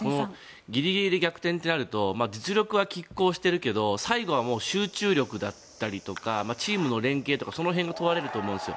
ギリギリで逆転となると実力はきっ抗してるけど最後は集中力だったりとかチームの連係とかその辺が問われると思うんですよ。